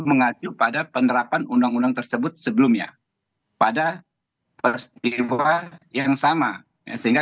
mengacu pada penerapan undang undang tersebut sebelumnya pada peristiwa yang sama sehingga